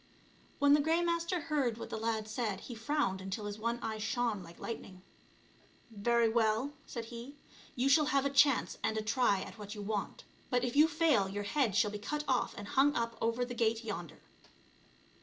When the Grey Master heard what the lad said, he frowned until his one eye shone like lightning. "Very well," said he, "you shall have a chance and a try at what you want, but if you fail your head shall be cut off and hung up over the gate yonder."